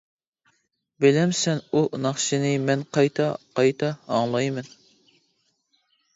بىلەمسەن، ئۇ ناخشىنى مەن قايتا قايتا ئاڭلايمەن.